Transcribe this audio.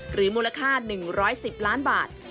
มูลค่า๑๑๐ล้านบาท